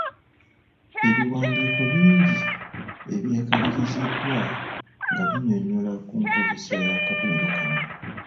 Ebiwandiiko bingi ebyekaliriziddwa nga binnyonnyola ku nkozesa y’akabonero kano.